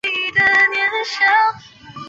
霍夫曼出生于美国加州洛杉矶。